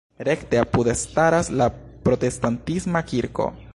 Rekte apude staras la protestantisma kirko.